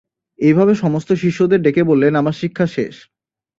এই ভাবে সমস্ত শিষ্যদের ডেকে বললেন আমার শিক্ষা শেষ।